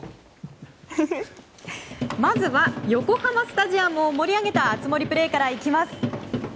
まずは横浜スタジアムを盛り上げた熱盛プレーから行きます。